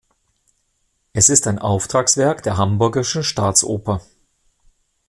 Es ist ein Auftragswerk der Hamburgischen Staatsoper.